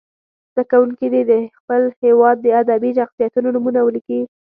زده کوونکي دې د خپل هېواد د ادبي شخصیتونو نومونه ولیکي.